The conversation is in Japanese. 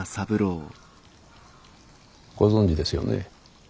ご存じですよね？